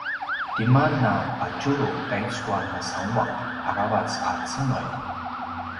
tima napadjulu taicu a nasanguaq aravac a cengelj?